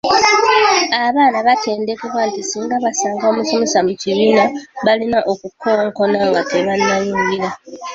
Abaana baatendekebwa nti singa basanga omusomesa mu kibiina, balina okukonkona nga tebannayingira.